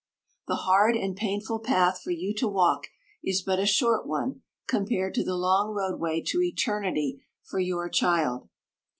The hard and painful path for you to walk is but a short one compared to the long roadway to eternity for your child.